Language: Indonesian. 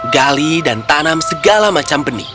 gali dan tanam segala macam benih